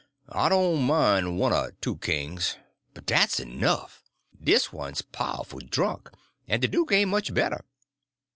I doan' mine one er two kings, but dat's enough. Dis one's powerful drunk, en de duke ain' much better."